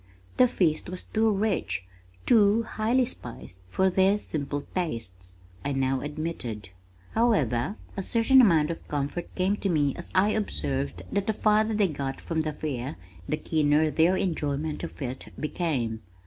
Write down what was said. "The feast was too rich, too highly spiced for their simple tastes," I now admitted. However, a certain amount of comfort came to me as I observed that the farther they got from the Fair the keener their enjoyment of it became!